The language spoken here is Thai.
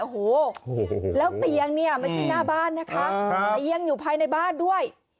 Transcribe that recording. โอ้โหแล้วเตียงเนี่ยไม่ใช่หน้าบ้านนะคะเตียงอยู่ภายในบ้านด้วย